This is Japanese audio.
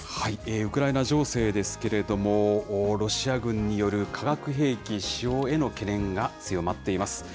ウクライナ情勢ですけれども、ロシア軍による化学兵器使用への懸念が強まっています。